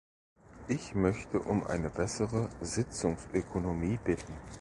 Ich möchte um eine bessere Sitzungsökonomie bitten.